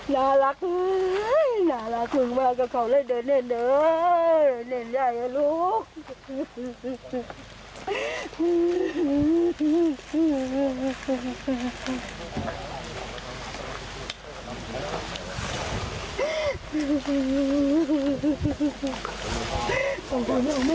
น่ารักน่ารักมากกับเขาเลยเดินเดินเดินเดินใหญ่อ่ะลูก